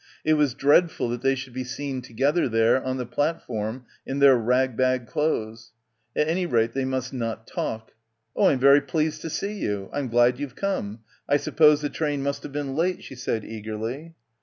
It was dreadful that they should be seen together there on the platform in their rag bag clothes. At any rate they must not talk. "Oh, I'm very pleased to see you. Fm glad you've come. I suppose the train must have been late," she said eagerly.